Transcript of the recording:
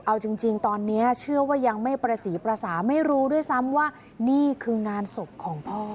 เอาจริงตอนนี้เชื่อว่ายังไม่ประสีประสาไม่รู้ด้วยซ้ำว่านี่คืองานศพของพ่อ